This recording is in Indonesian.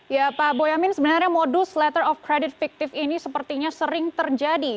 ya pak boyamin sebenarnya modus letter of credit fiktif ini sepertinya sering terjadi